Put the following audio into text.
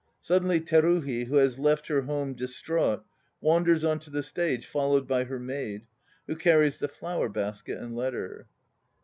Suddenly TERUHI, who has left her home dis fraught, wanders on to the stage followed by her maid, who carries the flower basket and letter.)